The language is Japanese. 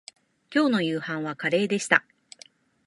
きょうの夕飯はカレーでした